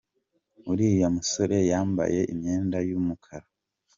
Uriya musore yambaye imyenda yu mukara.